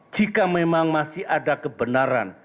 jika memang masih ada kebenaran